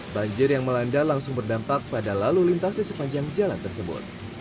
banjir yang melanda langsung berdampak pada lalu lintas di sepanjang jalan tersebut